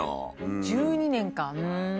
１２年か。